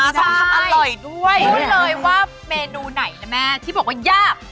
พูดเลยว่าเมนูไหนนะแม่ที่บอกว่ายาก